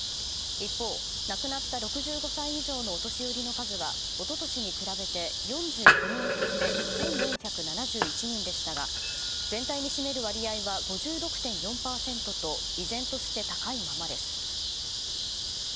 一方、亡くなった６５歳以上のお年寄りの数は一昨年に比べて４９人減って１４７１人でしたが全体に占める割合は５６．４％と依然として高いままです。